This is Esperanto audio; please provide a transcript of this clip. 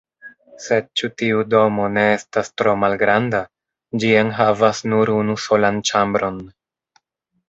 Sed ĉu tiu domo ne estas tro malgranda? Ĝi enhavas nur unu solan ĉambron.